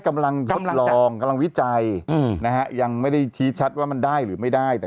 กำลังทดลองกำลังวิจัยยังไม่ได้ชี้ชัดว่ามันได้หรือไม่ได้